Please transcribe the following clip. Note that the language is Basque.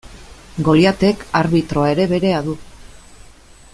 Goliatek arbitroa ere berea du.